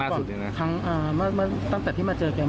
อ๋อแล้ววันนี้จะเอาข้าวมาให้